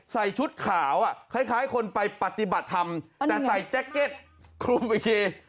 ชุดขาวคล้ายคนไปปฏิบัติธรรมแต่ใส่แจ็คเก็ตคลุมอีกที